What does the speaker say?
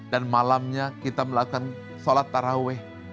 malamnya kita melakukan sholat taraweh